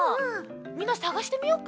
みんなさがしてみよっか。